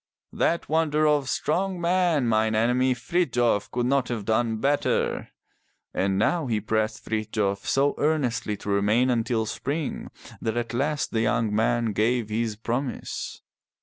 "That wonder of strong men, mine enemy, Frithjof, could not have done better!" And now he pressed Frithjof so earnestly to remain until spring that at last the young man gave his promise.